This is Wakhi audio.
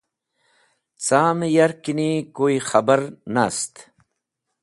Camẽ yarkẽni kuy khẽbar nast.